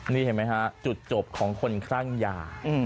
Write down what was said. นี่เห็นมั้ยครับจุดจบของคนครั่งยา